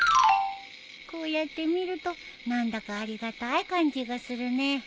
こうやってみると何だかありがたい感じがするね。